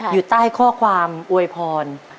อยู่ใต้ข้อความอวยพร